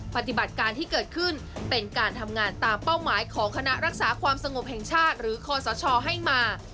ปฏิบัติการที่เกิดขึ้นเป็นการทำงานตามเป้าหมายของคณะรักษาความสงบแห่งชาติหรือคอสชให้มา